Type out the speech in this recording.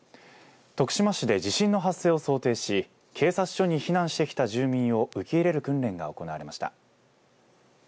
徳島市で地震の発生を想定し警察署に避難してきた住民を受け入れる訓練が行われました。